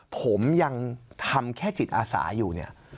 ผมยังทำแค่จิตอาสาอยู่เนี่ย